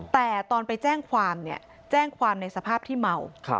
แต่ตอนไปแจ้งความเนี่ยแจ้งความในสภาพที่เมา